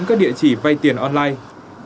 các địa chỉ vay tiền online